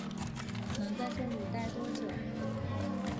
能在这里待多久